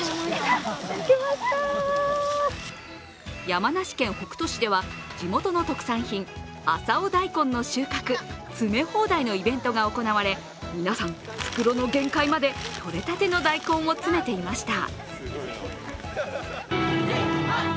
山梨県北杜市では地元の特産品、浅尾ダイコンの収穫、詰め放題のイベントが行われ皆さん袋の限界まで取れたての大根を詰めていました。